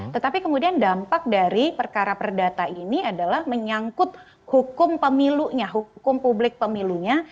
tetapi kemudian dampak dari perkara perdata ini adalah menyangkut hukum pemilunya hukum publik pemilunya